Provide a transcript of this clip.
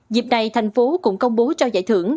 dịp này thành phố cũng công bố cho giải thưởng